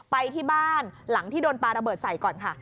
ไปที่บ้านหลังที่โดนปลาระเบิดใส่ก่อนค่ะ